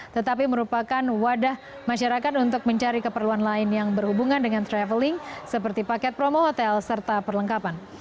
tetapi merupakan wadah masyarakat untuk mencari keperluan lain yang berhubungan dengan traveling seperti paket promo hotel serta perlengkapan